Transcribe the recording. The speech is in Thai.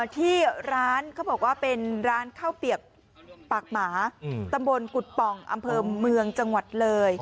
ที่ร้านเขาบอกว่าเป็นร้านข้าวเปียกปากหมาตำบลกุฎป่องอำเภอเมืองจังหวัดเลย